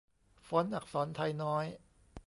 ฟอนต์อักษรไทน้อย